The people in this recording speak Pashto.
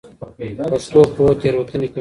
پښتو پوهه تېروتنې کموي.